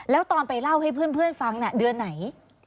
แล้วตอนไปเล่าให้เพื่อนฟังเดือนไหน